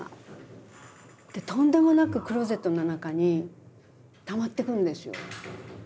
とんでもなくクローゼットの中にたまっていくんですよ。